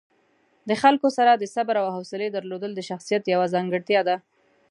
د خلکو سره د صبر او حوصلې درلودل د شخصیت یوه ځانګړتیا ده.